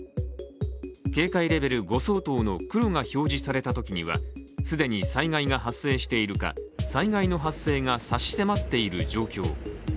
警戒レベル５相当の黒が表示されたときには既に災害が発生しているか、災害の発生が差し迫っている状況。